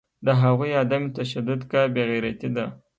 د هغوی عدم تشدد که بیغیرتي ده